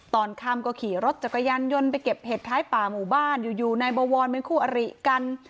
ตอนค่ำก็ขี่รถจักรยานยนต์ไปเก็บเห็ดท้ายป่าหมู่บ้านอยู่นายบวรเป็นคู่อริกัน